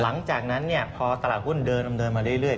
หลังจากนั้นพอตลาดหุ้นเดินดำเนินมาเรื่อย